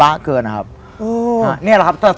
แล้วก็เจอ